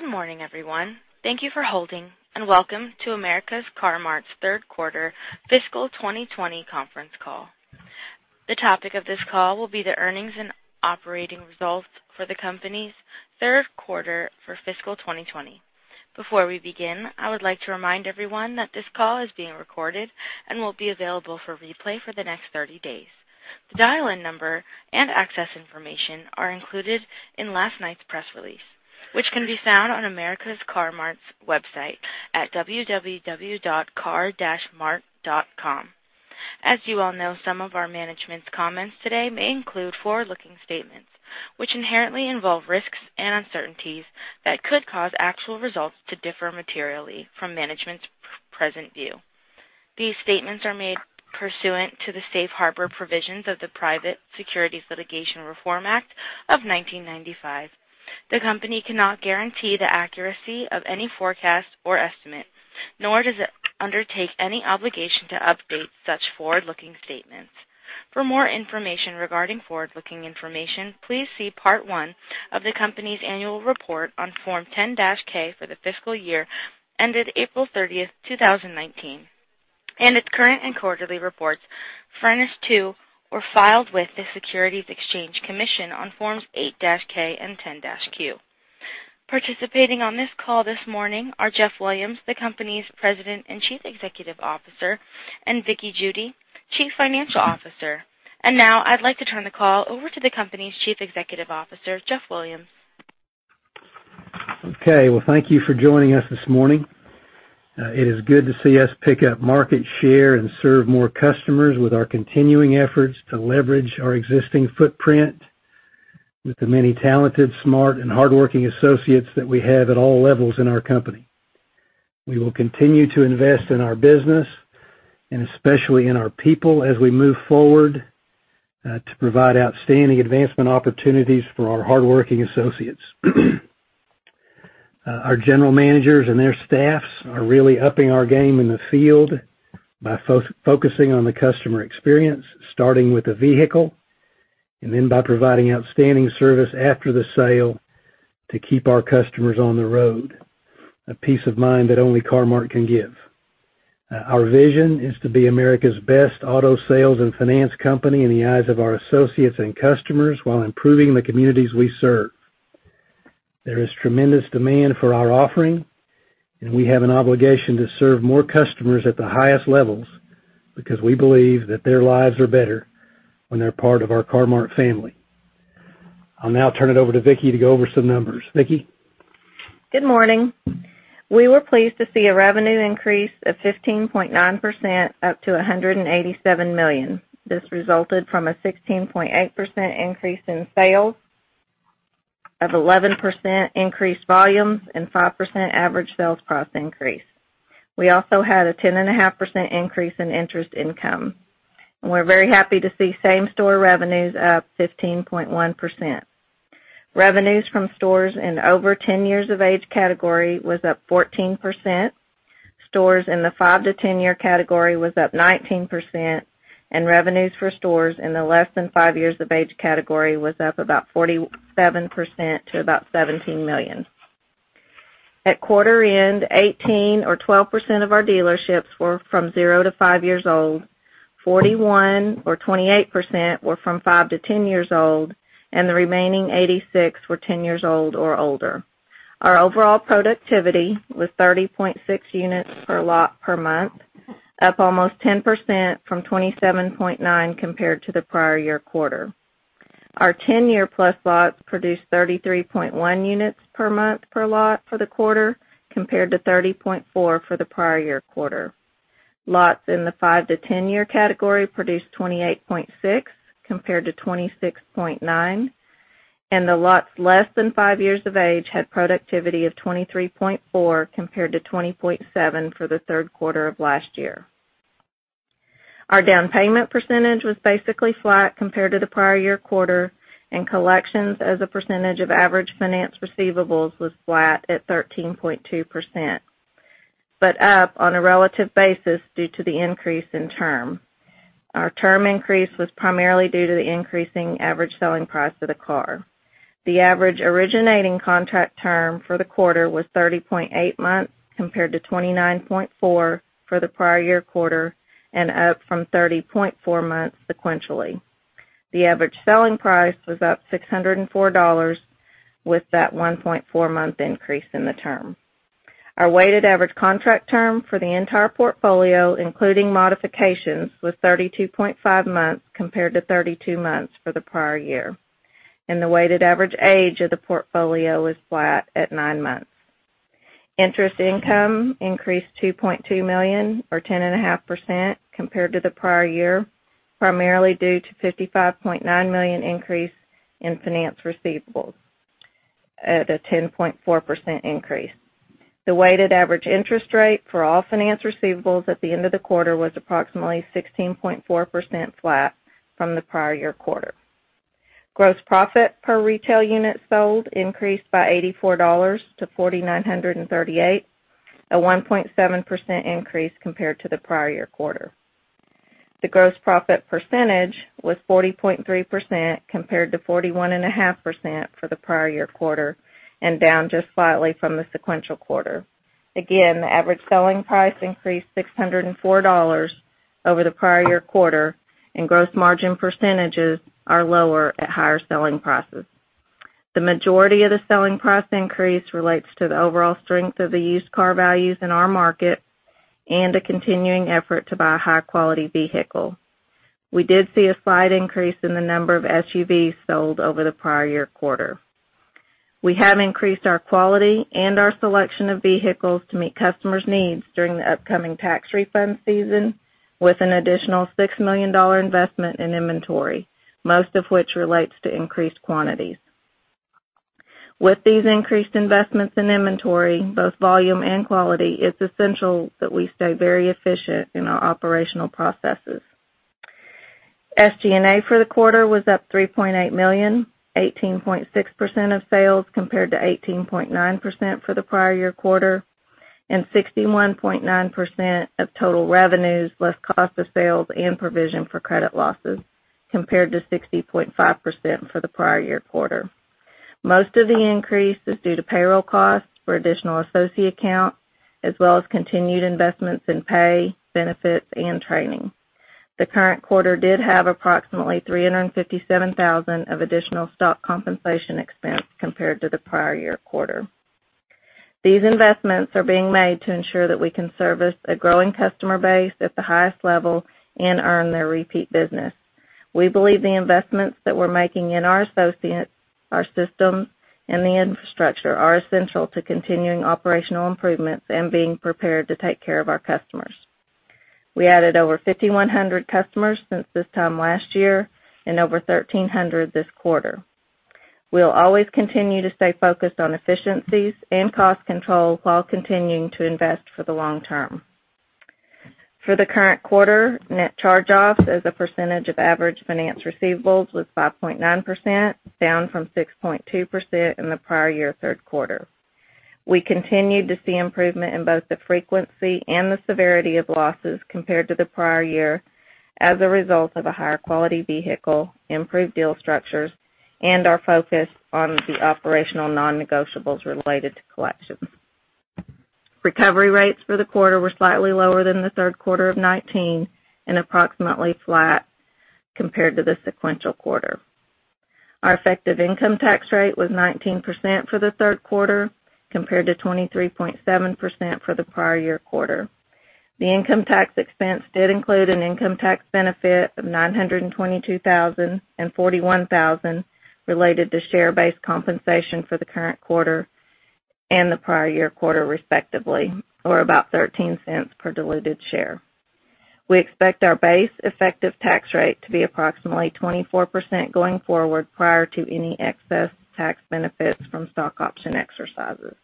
Good morning, everyone. Thank you for holding. Welcome to America's Car-Mart's Q3 fiscal 2020 conference call. The topic of this call will be the earnings and operating results for the company's Q3 for fiscal 2020. Before we begin, I would like to remind everyone that this call is being recorded and will be available for replay for the next 30 days. The dial-in number and access information are included in last night's press release, which can be found on America's Car-Mart's website at www.car-mart.com. As you all know, some of our management's comments today may include forward-looking statements, which inherently involve risks and uncertainties that could cause actual results to differ materially from management's present view. These statements are made pursuant to the safe harbor provisions of the Private Securities Litigation Reform Act of 1995. The company cannot guarantee the accuracy of any forecast or estimate, nor does it undertake any obligation to update such forward-looking statements. For more information regarding forward-looking information, please see Part One of the company's annual report on Form 10-K for the fiscal year ended April 30th, 2019, and its current and quarterly reports furnished to or filed with the Securities and Exchange Commission on Forms 8-K and 10-Q. Participating on this call this morning are Jeff Williams, the company's President and Chief Executive Officer, and Vickie Judy, Chief Financial Officer. Now I'd like to turn the call over to the company's Chief Executive Officer, Jeff Williams. Okay. Well, thank you for joining us this morning. It is good to see us pick up market share and serve more customers with our continuing efforts to leverage our existing footprint with the many talented, smart and hardworking associates that we have at all levels in our company. We will continue to invest in our business and especially in our people as we move forward, to provide outstanding advancement opportunities for our hardworking associates. Our general managers and their staffs are really upping our game in the field by focusing on the customer experience, starting with the vehicle, and then by providing outstanding service after the sale to keep our customers on the road, a peace of mind that only Car-Mart can give. Our vision is to be America's best auto sales and finance company in the eyes of our associates and customers while improving the communities we serve. There is tremendous demand for our offering, and we have an obligation to serve more customers at the highest levels because we believe that their lives are better when they're part of our Car-Mart family. I'll now turn it over to Vickie to go over some numbers. Vickie? Good morning. We were pleased to see a revenue increase of 15.9% up to $187 million. This resulted from a 16.8% increase in sales, of 11% increased volumes, and 5% average sales price increase. We also had a 10.5% increase in interest income. We're very happy to see same store revenues up 15.1%. Revenues from stores in over 10-year category was up 14%. Stores in the 5-10-year category was up 19%, and revenues for stores in the less than 5 years of age category was up about 47% to about $17 million. At quarter end, 18 or 12% of our dealerships were from zero to five years old, 41 or 28% were from 5-10 years old, and the remaining 86 were 10 years old or older. Our overall productivity was 30.6 units per lot per month, up almost 10% from 27.9 compared to the prior year quarter. Our 10-year-plus lots produced 33.1 units per month per lot for the quarter, compared to 30.4 for the prior year quarter. Lots in the 5-10-year category produced 28.6 compared to 26.9, and the lots less than five years of age had productivity of 23.4 compared to 20.7 for the Q3 of last year. Our down payment percentage was basically flat compared to the prior year quarter, and collections as a percentage of average finance receivables was flat at 13.2%, but up on a relative basis due to the increase in term. Our term increase was primarily due to the increasing average selling price of the car. The average originating contract term for the quarter was 30.8 months compared to 29.4 for the prior year quarter and up from 30.4 months sequentially. The average selling price was up $604 with that 1.4-month increase in the term. Our weighted average contract term for the entire portfolio, including modifications, was 32.5 months compared to 32 months for the prior year. The weighted average age of the portfolio was flat at nine months. Interest income increased $2.2 million or 10.5% compared to the prior year, primarily due to a $55.9 million increase in finance receivables at a 10.4% increase. The weighted average interest rate for all finance receivables at the end of the quarter was approximately 16.4% flat from the prior year quarter. Gross profit per retail unit sold increased by $84-$4,938, a 1.7% increase compared to the prior year quarter. The gross profit percentage was 40.3%, compared to 41.5% for the prior year quarter, and down just slightly from the sequential quarter. Again, the average selling price increased $604 over the prior year quarter, and gross margin percentages are lower at higher selling prices. The majority of the selling price increase relates to the overall strength of the used car values in our market and a continuing effort to buy a high-quality vehicle. We did see a slight increase in the number of SUVs sold over the prior year quarter. We have increased our quality and our selection of vehicles to meet customers' needs during the upcoming tax refund season with an additional $6 million investment in inventory, most of which relates to increased quantities. With these increased investments in inventory, both volume and quality, it's essential that we stay very efficient in our operational processes. SGA for the quarter was up $3.8 million, 18.6% of sales compared to 18.9% for the prior year quarter, and 61.9% of total revenues less cost of sales and provision for credit losses, compared to 60.5% for the prior year quarter. Most of the increase is due to payroll costs for additional associate count, as well as continued investments in pay, benefits, and training. The current quarter did have approximately $357,000 of additional stock compensation expense compared to the prior year quarter. These investments are being made to ensure that we can service a growing customer base at the highest level and earn their repeat business. We believe the investments that we're making in our associates, our systems, and the infrastructure are essential to continuing operational improvements and being prepared to take care of our customers. We added over 5,100 customers since this time last year and over 1,300 this quarter. We'll always continue to stay focused on efficiencies and cost control while continuing to invest for the long term. For the current quarter, net charge-offs as a % of average finance receivables was 5.9%, down from 6.2% in the prior year Q3. We continued to see improvement in both the frequency and the severity of losses compared to the prior year as a result of a higher quality vehicle, improved deal structures, and our focus on the operational non-negotiables related to collections. Recovery rates for the quarter were slightly lower than the Q3 of 2019 and approximately flat compared to the sequential quarter. Our effective income tax rate was 19% for the Q3, compared to 23.7% for the prior year quarter. The income tax expense did include an income tax benefit of $922,000 and $41,000 related to share-based compensation for the current quarter and the prior year quarter, respectively, or about $0.13 per diluted share. We expect our base effective tax rate to be approximately 24% going forward, prior to any excess tax benefits from stock option exercises.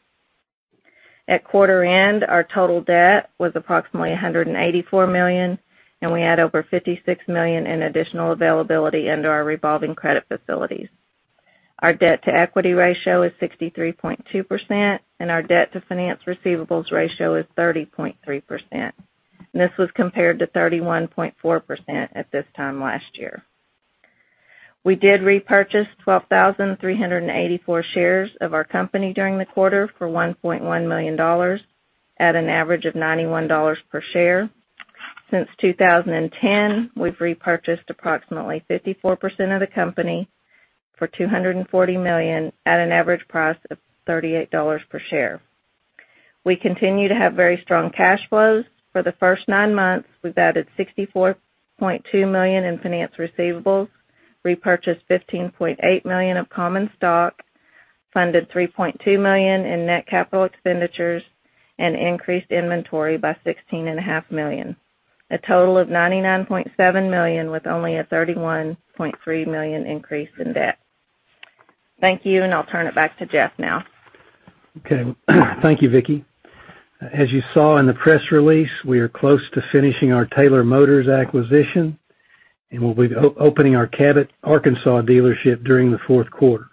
At quarter end, our total debt was approximately $184 million, and we had over $56 million in additional availability under our revolving credit facilities. Our debt-to-equity ratio is 63.2%, and our debt-to-finance receivables ratio is 30.3%. This was compared to 31.4% at this time last year. We did repurchase 12,384 shares of our company during the quarter for $1.1 million at an average of $91 per share. Since 2010, we've repurchased approximately 54% of the company for $240 million at an average price of $38 per share. We continue to have very strong cash flows. For the first nine months, we've added $64.2 million in finance receivables, repurchased $15.8 million of common stock, funded $3.2 million in net capital expenditures, and increased inventory by $16.5 million. A total of $99.7 million, with only a $31.3 million increase in debt. Thank you, and I'll turn it back to Jeff now. Okay. Thank you, Vickie. As you saw in the press release, we are close to finishing our Taylor Motors acquisition, and we'll be opening our Cabot, Arkansas dealership during the Q4.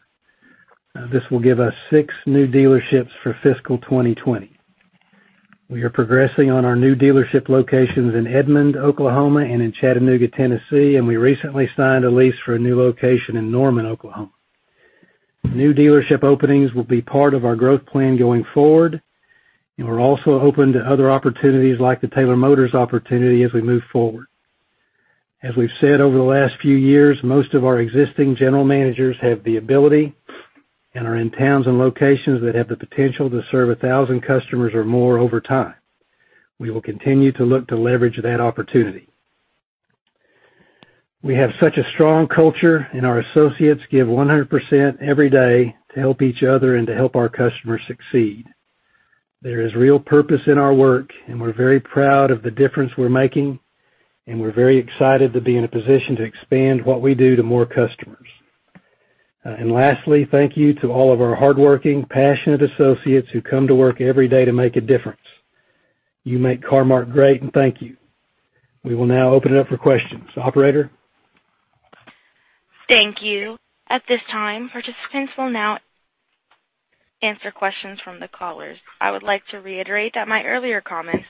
This will give us six new dealerships for fiscal 2020. We are progressing on our new dealership locations in Edmond, Oklahoma and in Chattanooga, Tennessee, and we recently signed a lease for a new location in Norman, Oklahoma. New dealership openings will be part of our growth plan going forward, and we're also open to other opportunities like the Taylor Motors opportunity as we move forward. As we've said over the last few years, most of our existing general managers have the ability and are in towns and locations that have the potential to serve 1,000 customers or more over time. We will continue to look to leverage that opportunity. We have such a strong culture. Our associates give 100% every day to help each other and to help our customers succeed. There is real purpose in our work. We're very proud of the difference we're making, and we're very excited to be in a position to expand what we do to more customers. Lastly, thank you to all of our hardworking, passionate associates who come to work every day to make a difference. You make Car-Mart great. Thank you. We will now open it up for questions. Operator? Thank you. At this time, participants will now answer questions from the callers. I would like to reiterate that my earlier comments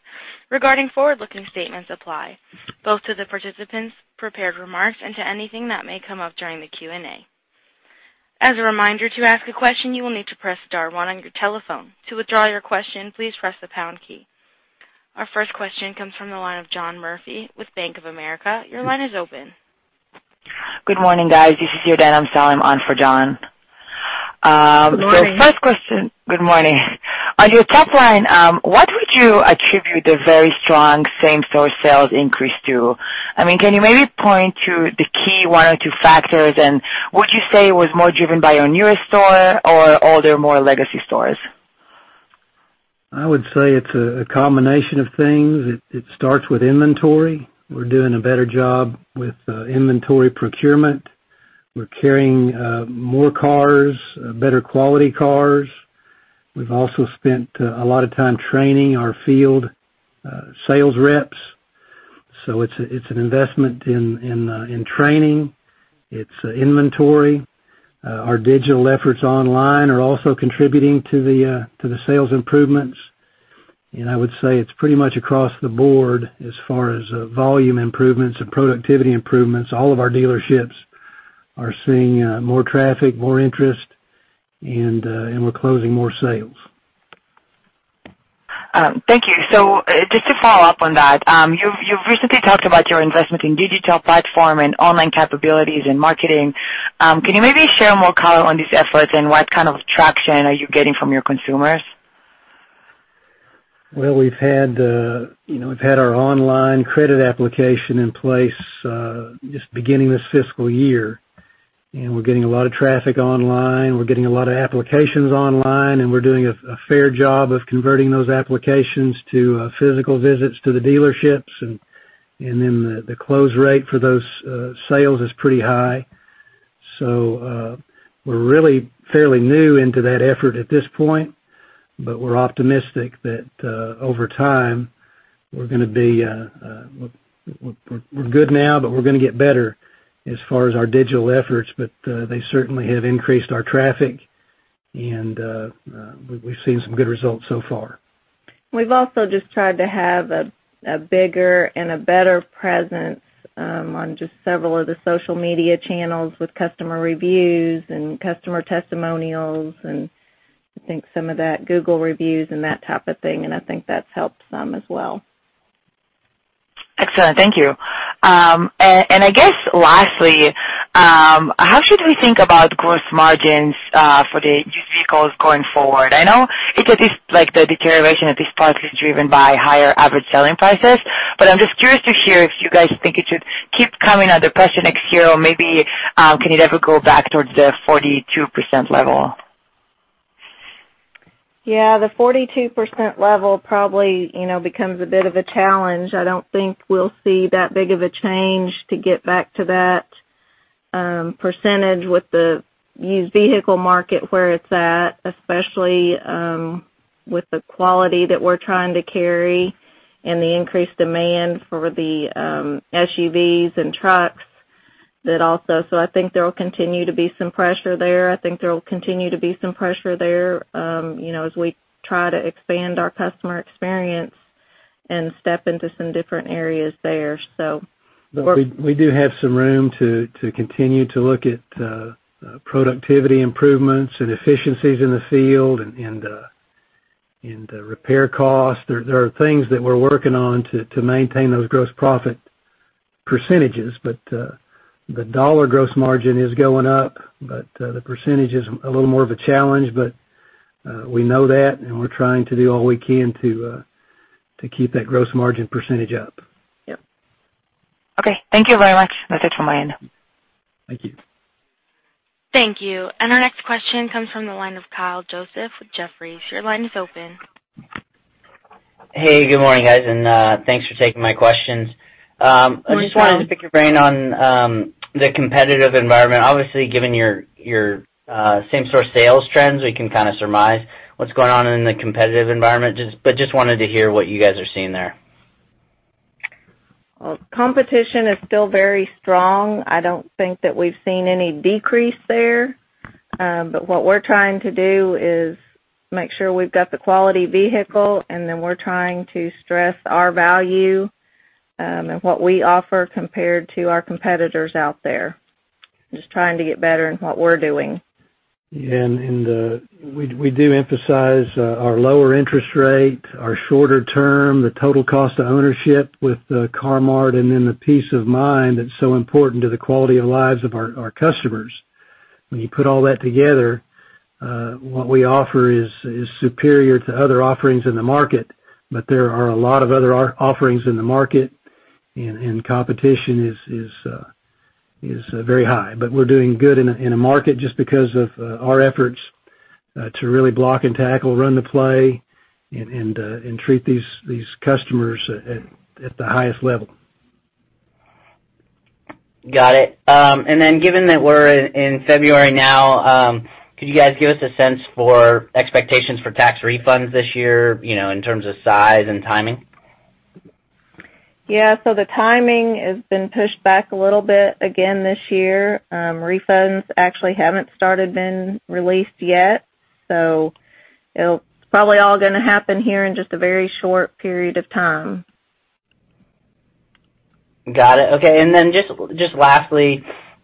regarding forward-looking statements apply both to the participant's prepared remarks and to anything that may come up during the Q&A. As a reminder, to ask a question, you will need to press star one on your telephone. To withdraw your question, please press the pound key. Our first question comes from the line of John Murphy with Bank of America. Your line is open. Good morning, guys. This is Yarden Amsalem on for John. Good morning. First question. Good morning. On your top line, what would you attribute the very strong same-store sales increase to? Can you maybe point to the key one or two factors? Would you say it was more driven by your newer store or older, more legacy stores? I would say it's a combination of things. It starts with inventory. We're doing a better job with inventory procurement. We're carrying more cars, better quality cars. We've also spent a lot of time training our field sales reps. It's an investment in training. It's inventory. Our digital efforts online are also contributing to the sales improvements. I would say it's pretty much across the board as far as volume improvements and productivity improvements. All of our dealerships are seeing more traffic, more interest, and we're closing more sales. Thank you. Just to follow up on that, you've recently talked about your investment in digital platform and online capabilities and marketing. Can you maybe share more color on these efforts and what kind of traction are you getting from your consumers? Well, we've had our online credit application in place, just beginning this fiscal year, and we're getting a lot of traffic online. We're getting a lot of applications online, and we're doing a fair job of converting those applications to physical visits to the dealerships. The close rate for those sales is pretty high. We're really fairly new into that effort at this point, but we're optimistic that over time, we're good now, but we're going to get better as far as our digital efforts. They certainly have increased our traffic, and we've seen some good results so far. We've also just tried to have a bigger and a better presence on just several of the social media channels with customer reviews and customer testimonials, and I think some of that Google reviews and that type of thing, and I think that's helped some as well. Excellent. Thank you. I guess lastly, how should we think about gross margins for the used vehicles going forward? I know it is, the deterioration at this point is driven by higher average selling prices, but I'm just curious to hear if you guys think it should keep coming under pressure next year or maybe can it ever go back towards the 42% level? Yeah, the 42% level probably becomes a bit of a challenge. I don't think we'll see that big of a change to get back to that percentage with the used vehicle market where it's at, especially with the quality that we're trying to carry and the increased demand for the SUVs and trucks that also. I think there will continue to be some pressure there as we try to expand our customer experience and step into some different areas there. We do have some room to continue to look at productivity improvements and efficiencies in the field and the repair cost. There are things that we're working on to maintain those gross profit percentages. The dollar gross margin is going up, but the percentage is a little more of a challenge. We know that, and we're trying to do all we can to keep that gross margin % up. Yep. Okay. Thank you very much. That's it from my end. Thank you. Thank you. Our next question comes from the line of Kyle Joseph with Jefferies. Your line is open. Hey, good morning, guys, and thanks for taking my questions. Good morning. I just wanted to pick your brain on the competitive environment. Obviously, given your same-store sales trends, we can kind of surmise what's going on in the competitive environment. Just wanted to hear what you guys are seeing there. Competition is still very strong. I don't think that we've seen any decrease there. What we're trying to do is make sure we've got the quality vehicle, and then we're trying to stress our value, and what we offer compared to our competitors out there. Just trying to get better in what we're doing. We do emphasize our lower interest rate, our shorter term, the total cost of ownership with Car-Mart, and then the peace of mind that's so important to the quality of lives of our customers. When you put all that together, what we offer is superior to other offerings in the market, but there are a lot of other offerings in the market, and competition is very high. We're doing good in a market just because of our efforts to really block and tackle, run the play, and treat these customers at the highest level. Got it. Given that we're in February now, could you guys give us a sense for expectations for tax refunds this year, in terms of size and timing? Yeah. The timing has been pushed back a little bit again this year. Refunds actually haven't started being released yet, it'll probably all going to happen here in just a very short period of time. Got it. Okay. Just lastly,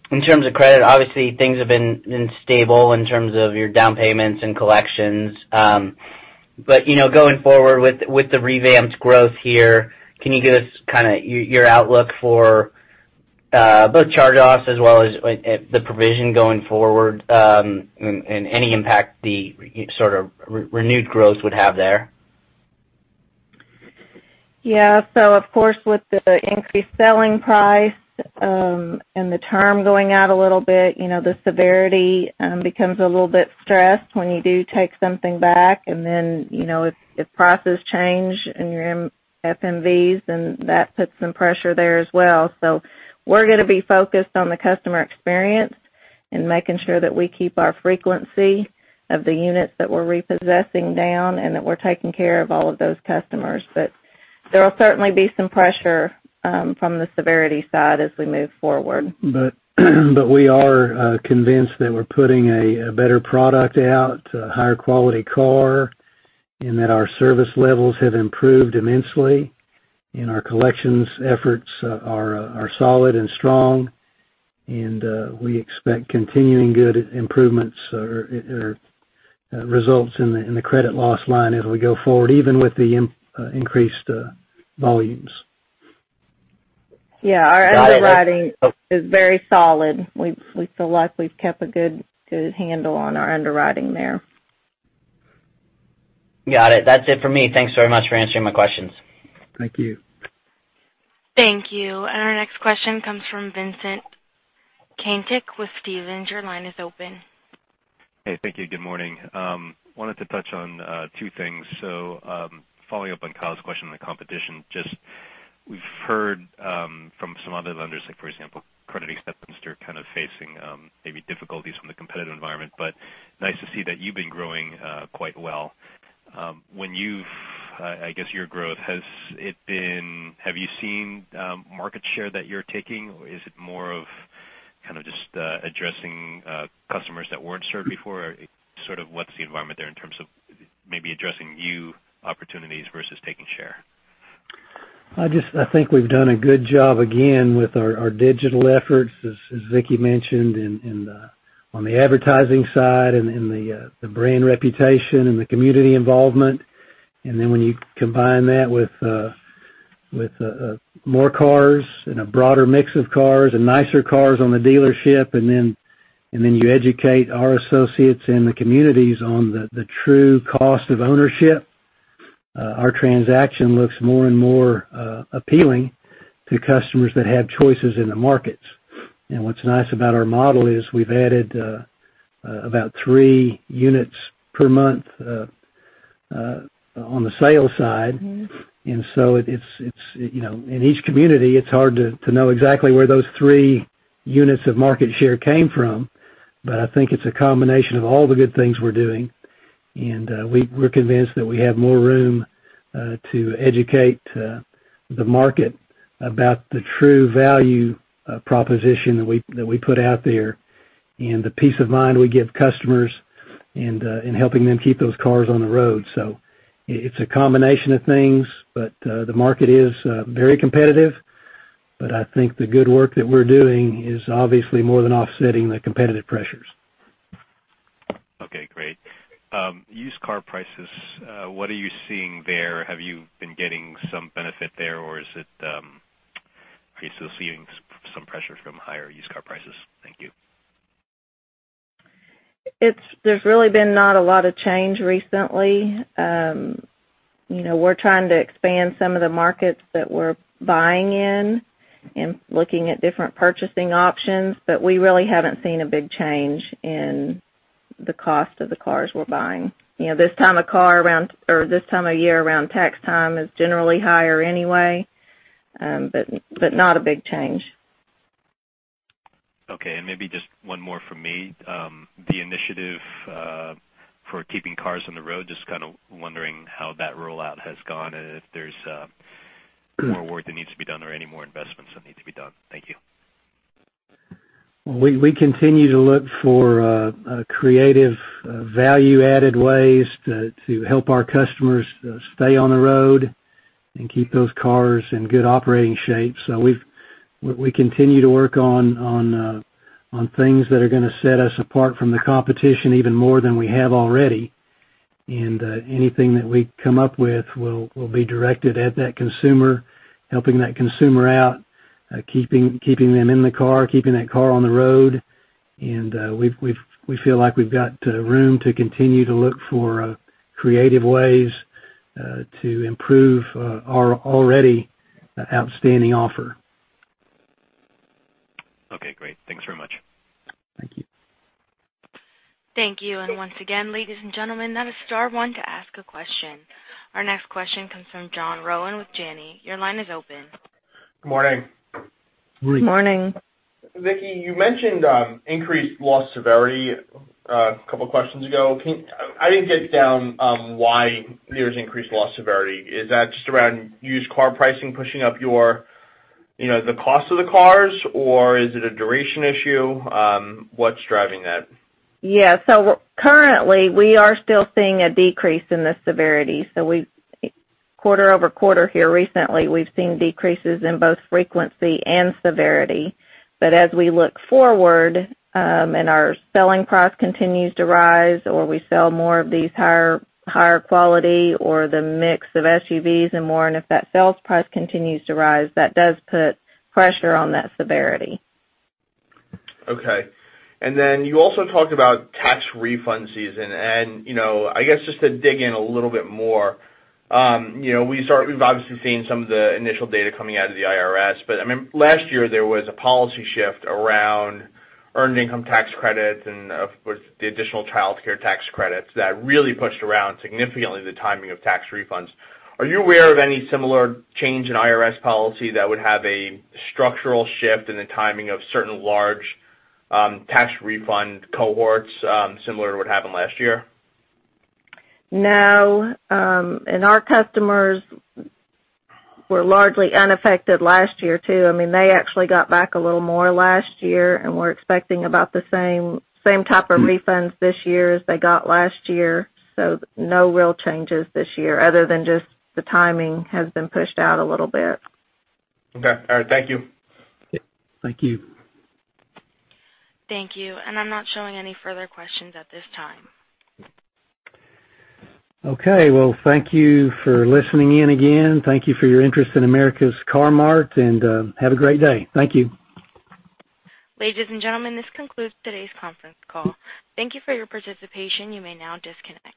in terms of credit, obviously things have been stable in terms of your down payments and collections. Going forward with the revamped growth here, can you give us your outlook for both charge-offs as well as the provision going forward, and any impact the sort of renewed growth would have there? Yeah. Of course, with the increased selling price, and the term going out a little bit, the severity becomes a little bit stressed when you do take something back and then, if prices change in your FMVs, then that puts some pressure there as well. We're going to be focused on the customer experience and making sure that we keep our frequency of the units that we're repossessing down and that we're taking care of all of those customers. There'll certainly be some pressure from the severity side as we move forward. We are convinced that we're putting a better product out, a higher quality car, and that our service levels have improved immensely, and our collections efforts are solid and strong. We expect continuing good improvements or results in the credit loss line as we go forward, even with the increased volumes. Yeah. Our underwriting is very solid. We feel like we've kept a good handle on our underwriting there. Got it. That's it for me. Thanks very much for answering my questions. Thank you. Thank you. Our next question comes from Vincent Caintic with Stephens. Your line is open. Hey, thank you. Good morning. Wanted to touch on two things. Following up on Kyle's question on the competition, just we've heard from some other lenders, like for example, Credit Acceptance, are kind of facing maybe difficulties from the competitive environment, but nice to see that you've been growing quite well. When you've, I guess your growth, have you seen market share that you're taking or is it more of kind of just addressing customers that weren't served before? Sort of what's the environment there in terms of maybe addressing new opportunities versus taking share? I think we've done a good job again with our digital efforts, as Vickie mentioned on the advertising side and the brand reputation and the community involvement. When you combine that with more cars and a broader mix of cars and nicer cars on the dealership, you educate our associates and the communities on the true cost of ownership, our transaction looks more and more appealing to customers that have choices in the markets. What's nice about our model is we've added about three units per month on the sales side. It's, in each community, it's hard to know exactly where those three units of market share came from. I think it's a combination of all the good things we're doing. We're convinced that we have more room to educate the market about the true value proposition that we put out there and the peace of mind we give customers in helping them keep those cars on the road. It's a combination of things, but the market is very competitive, but I think the good work that we're doing is obviously more than offsetting the competitive pressures. Okay, great. Used car prices, what are you seeing there? Have you been getting some benefit there, or are you still seeing some pressures from higher used car prices? Thank you. There's really been not a lot of change recently. We're trying to expand some of the markets that we're buying in and looking at different purchasing options, but we really haven't seen a big change in the cost of the cars we're buying. This time of year, around tax time is generally higher anyway, but not a big change. Okay. Maybe just one more from me. The initiative for keeping cars on the road, just kind of wondering how that rollout has gone and if there's more work that needs to be done or any more investments that need to be done. Thank you. We continue to look for creative value-added ways to help our customers stay on the road and keep those cars in good operating shape. We continue to work on things that are going to set us apart from the competition even more than we have already. Anything that we come up with will be directed at that consumer, helping that consumer out, keeping them in the car, keeping that car on the road. We feel like we've got room to continue to look for creative ways to improve our already outstanding offer. Okay, great. Thanks very much. Thank you. Thank you. Once again, ladies and gentlemen, that is star one to ask a question. Our next question comes from John Rowan with Janney. Your line is open. Good morning. Morning. Vickie, you mentioned increased loss severity a couple of questions ago. I didn't get down why there's increased loss severity. Is that just around used car pricing pushing up the cost of the cars, or is it a duration issue? What's driving that? Yeah. Currently, we are still seeing a decrease in the severity. Quarter-over-quarter here recently, we've seen decreases in both frequency and severity. As we look forward, and our selling price continues to rise, or we sell more of this higher quality or the mix of SUVs and more, and if that sales price continues to rise, that does put pressure on that severity. Okay. You also talked about tax refund season; I guess just to dig in a little bit more. We've obviously seen some of the initial data coming out of the IRS, last year, there was a policy shift around earned income tax credits and the additional childcare tax credits that really pushed around significantly the timing of tax refunds. Are you aware of any similar change in IRS policy that would have a structural shift in the timing of certain large tax refund cohorts, similar to what happened last year? No. Our customers were largely unaffected last year, too. They actually got back a little more last year, and we're expecting about the same type of refunds this year as they got last year. No real changes this year other than just the timing has been pushed out a little bit. Okay. All right. Thank you. Thank you. Thank you. I'm not showing any further questions at this time. Okay. Well, thank you for listening in again. Thank you for your interest in America's Car-Mart and have a great day. Thank you. Ladies and gentlemen, this concludes today's conference call. Thank you for your participation. You may now disconnect.